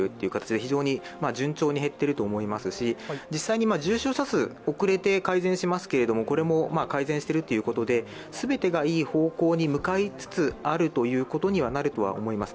非常に順調に減っていると思いますし、実際に重症者数、遅れて改善しますけれども、これも改善しているということで全てがいい方向に向かいつつあるということにはあるとは思います。